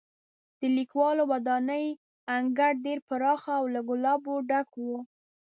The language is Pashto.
د لیکوالو ودانۍ انګړ ډېر پراخه او له ګلابو ډک و.